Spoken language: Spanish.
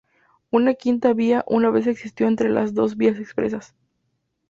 Una quinta vía una vez existió entre las dos vías expresas.